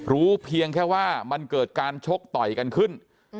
เพียงแค่ว่ามันเกิดการชกต่อยกันขึ้น